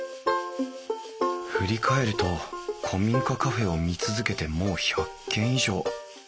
振り返ると古民家カフェを見続けてもう１００軒以上。